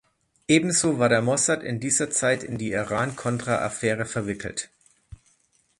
Ebenso war der Mossad in dieser Zeit in die Iran-Contra-Affäre verwickelt.